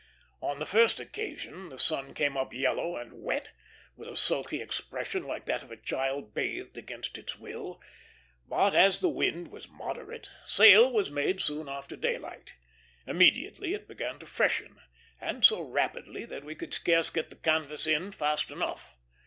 On the first occasion the sun came up yellow and wet, with a sulky expression like that of a child bathed against its will; but, as the wind was moderate, sail was made soon after daylight. Immediately it began to freshen, and so rapidly that we could scarce get the canvas in fast enough.